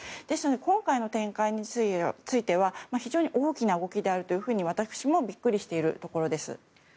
ですので今回の転換については非常に大きな動きであると私もビックリしているところです。